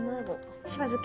しば漬け。